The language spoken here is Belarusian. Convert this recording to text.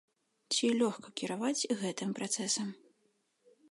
Ці лёгка кіраваць гэтым працэсам?